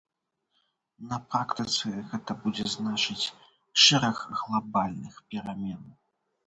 На практыцы гэта будзе значыць шэраг глабальных перамен.